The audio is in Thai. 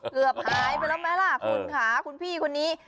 เกือบหายไปแล้วไหมล่ะคุณค่ะคุณพี่คนนี้